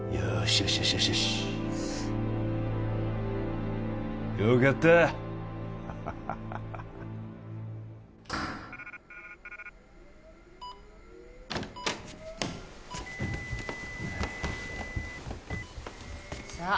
よしよしよしよしよくやったハハハハさあ